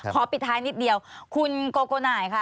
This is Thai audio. ปิดท้ายนิดเดียวคุณโกโกหน่ายค่ะ